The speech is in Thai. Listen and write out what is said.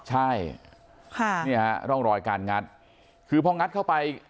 ใช่ค่ะเนี่ยฮะร่องรอยการงัดคือพองัดเข้าไป